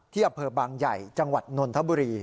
อำเภอบางใหญ่จังหวัดนนทบุรี